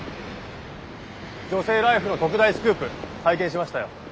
「女性ＬＩＦＥ」の特大スクープ拝見しましたよ。